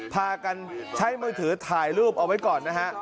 พากันใช้มือถือถ่ายรูปเอาไว้ก่อนนะฮะ